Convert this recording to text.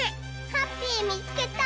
ハッピーみつけた！